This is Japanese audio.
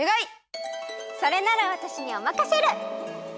それならわたしにおまかシェル！